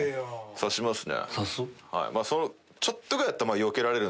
差しますね。